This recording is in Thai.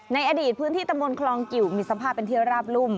ในอดีตพื้นที่ตำบลคลองกิวมีสัมภาษณ์เป็นเทียราบรุ่ม